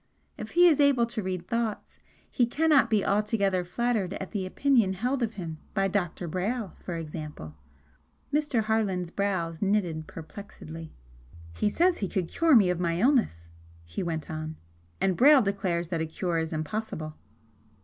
If he is able to read thoughts, he cannot be altogether flattered at the opinion held of him by Dr. Brayle, for example!" Mr. Harland's brows knitted perplexedly. "He says he could cure me of my illness," he went on, "and Brayle declares that a cure is impossible."